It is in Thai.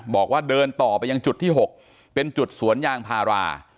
บอกว่าเดินต่อไปยังจุดที่๖เป็นจุดสวนยางพารา